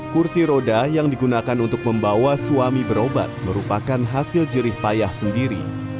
kursi roda yang digunakan untuk membawa suami berobat merupakan hasil jerih payah sendiri